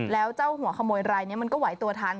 แล้วเจ้าหัวขโมยรายนี้มันก็ไหวตัวทัน